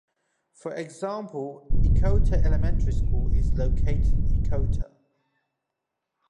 For example, Ekota Elementary School is located in Ekota.